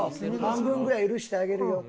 半分ぐらい許してあげるよ。